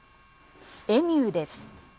エミューです。